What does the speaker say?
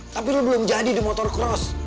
tapi lo belum jadi di motor cross